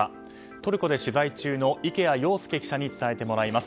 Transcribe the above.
トルコで取材中の池谷庸介記者に伝えてもらいます。